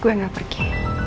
gue gak pergi